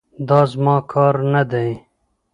دا زما کار نه دی.